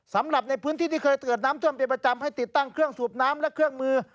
สำหรับในพื้นที่ที่เคยเกิดน้ำท่วมเป็นประจำให้ติดตั้งเครื่องสูบน้ำและเครื่องมือ